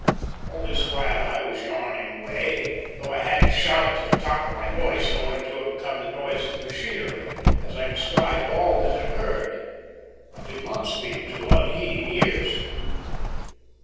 All this while I was yarning away, though I had to shout to the top of my voice in order to overcome the noise of the machinery, as I described all that had occurred. I did not speak to unheeding ears.